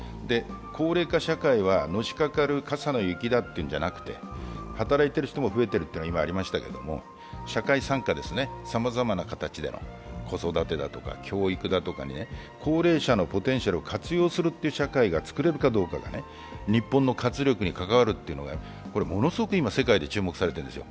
高齢化社会はのしかかる傘の雪だというんじゃなくて、働いている人も増えているというのが今ありましたけど、社会参加ですね、さまざまな形で、子育てだとか教育に高齢者のポテンシャルを活用する社会が作れるかどうかが日本の活力に関わるというのがものすごく今、世界で注目されているんですよ。